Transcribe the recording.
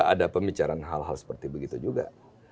ada pembicaraan hal hal seperti begitu juga